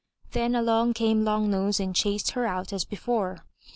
Then along came Long nose and chased her out as before.